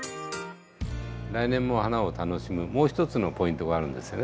来年も花を楽しむもう一つのポイントがあるんですよね。